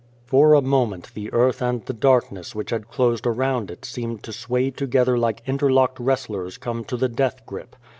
For a moment the earth and the darkness which had closed around it seemed to sway together like interlocked wrestlers come to the death grip.